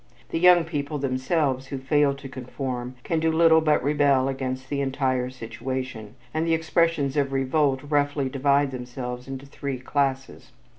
The young people themselves who fail to conform can do little but rebel against the entire situation, and the expressions of revolt roughly divide themselves into three classes.